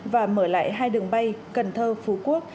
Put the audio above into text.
và mở lại hai đường bay cần thơ phú quốc